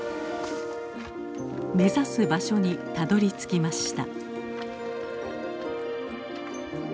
目指す場所にたどりつきました。